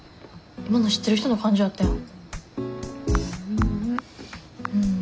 今の知ってる人の感じやったやん。